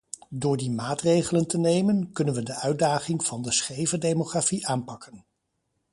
Door die maatregelen te nemen, kunnen we de uitdaging van de scheve demografie aanpakken.